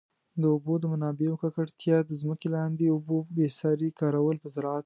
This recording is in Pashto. د اوبو د منابعو ککړتیا، د ځمکي لاندي اوبو بي ساري کارول په زراعت.